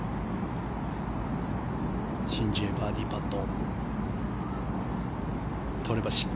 シン・ジエバーディーパット。